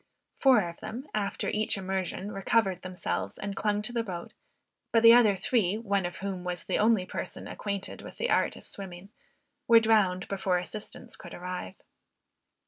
Four of them, after each immersion, recovered themselves and clung to the boat; but the other three, one of whom was the only person acquainted with the art of swimming, were drowned before assistance could arrive.